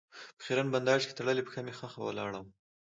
په خېرن بنداژ کې تړلې پښه مې ښخه ولاړه وه.